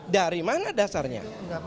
dari mana dasarnya